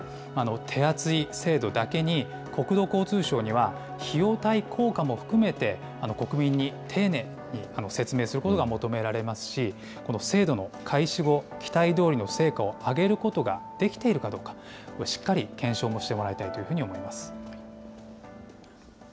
手厚い制度だけに、国土交通省には、費用対効果も含めて、国民に丁寧に説明することが求められますし、この制度の開始後、期待どおりの成果を上げることができているかどうか、しっかり検証もしてもらいたいというふうに思います。